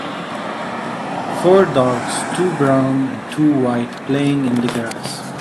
Four dogs two brown and two white playing in the grass.